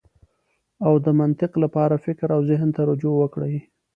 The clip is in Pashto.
او د منطق لپاره فکر او زهن ته رجوع وکړئ.